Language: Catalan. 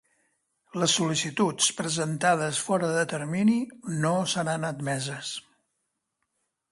Les sol·licituds presentades fora de termini no seran admeses.